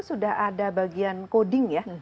sudah ada bagian coding ya